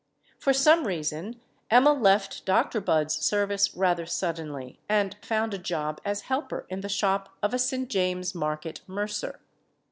For some reason Emma left Doctor Budd's service rather suddenly and found a job as helper in the shop of a St. James' Market mercer.